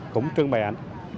cũng trưng bày ảnh